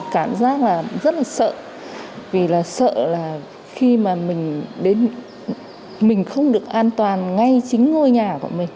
cảm giác là rất là sợ vì sợ là khi mà mình đến mình không được an toàn ngay chính ngôi nhà của mình